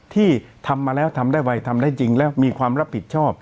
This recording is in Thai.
ที่ทำมาแล้วทำได้ไวทำได้จริงแล้วมีความรับผิดชอบ